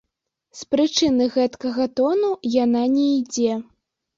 З прычыны гэтакага тону яна не ідзе.